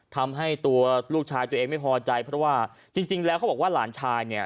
ทำให้ตัวลูกชายตัวเองไม่พอใจเพราะว่าจริงแล้วเขาบอกว่าหลานชายเนี่ย